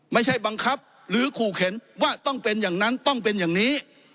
ไม่ใช่บังคับหรือขู่เข็นว่าต้องเป็นอย่างนั้นต้องเป็นอย่างนี้